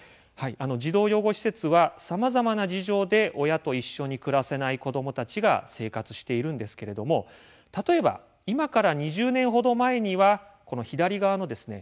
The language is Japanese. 児童養護施設はさまざまな事情で親と一緒に暮らせない子どもたちが生活しているんですけれども例えば今から２０年ほど前にはこの左側のですね